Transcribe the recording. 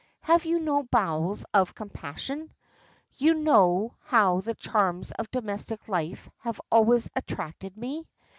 "Have you no bowels of compassion? You know how the charms of domestic life have always attracted me.